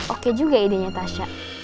oke juga idenya tasya